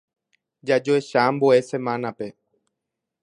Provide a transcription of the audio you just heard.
Jajoecha ambue semana-pe.